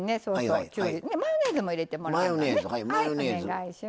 マヨネーズも入れてもらって。